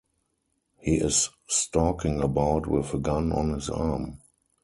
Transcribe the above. He is stalking about with a gun on his arm.